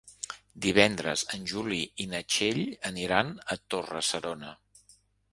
Divendres en Juli i na Txell aniran a Torre-serona.